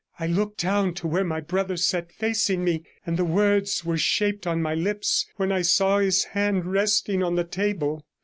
I looked down to where my brother sat facing me, and the words were shaped on my lips, when I saw his hand resting on the table.